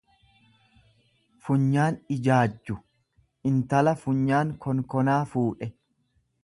funyaan ijaajju; Intala funyaan konkonaa fuudhe.